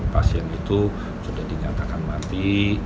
pasien itu sudah dinyatakan mati